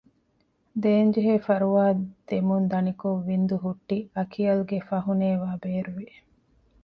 ދޭންޖެހޭ ފަރުވާދެމުން ދަނިކޮށް ވިންދުހުއްޓި އަކިޔަލްގެ ފަހުނޭވާ ބޭރުވި